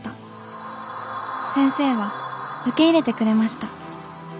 先生は受け入れてくれました。